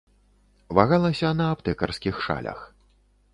Вагалася на аптэкарскіх шалях.